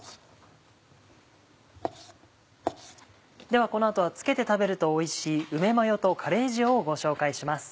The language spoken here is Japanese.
ではこの後は付けて食べるとおいしい梅マヨとカレー塩をご紹介します。